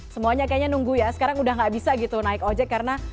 semuanya kayaknya nunggu ya sekarang udah gak bisa gitu naik ojek karena